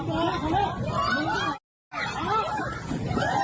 เฮ้ยทำร้ายทำร้าย